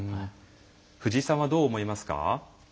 藤井さんはどう思いますか？